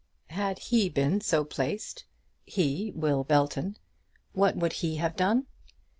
Had he been so placed, he, Will Belton, what would he have done?